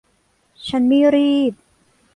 ฉันไม่รีบ